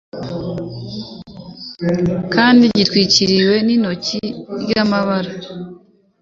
kandi gitwikiriwe n'ikoti ry'amabara